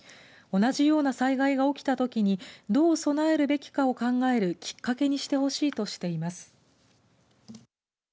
同じような災害が起きたときにどう備えるべきかを考えるきっかけにしてほしいとしています。